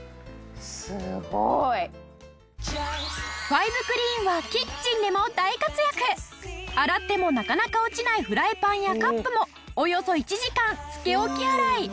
ファイブクリーンは洗ってもなかなか落ちないフライパンやカップもおよそ１時間つけ置き洗い。